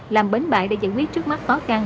làm bến bãi để giải quyết trước mắt khó khăn